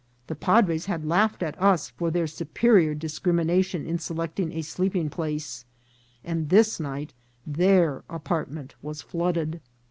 The padres had laughed at us for their superior discrimination in selecting a sleeping place, and this night their apartment was flooded.